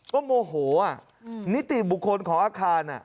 ก็โมโหนิติบุคคลของอาคาร